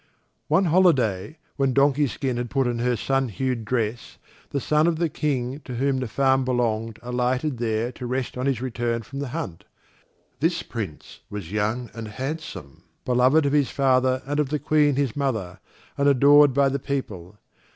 One holiday when Donkey skin had put on her sun hued dress, the son of the King to whom the farm belonged alighted there to rest on his return from the hunt. This Prince was young and handsome, beloved of his father and of the Queen his mother, and adored by the people.